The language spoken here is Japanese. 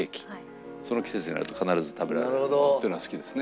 その季節になると必ず食べられるものっていうのは好きですね。